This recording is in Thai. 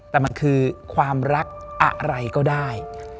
แต่มันคือความรักอะไรก็ได้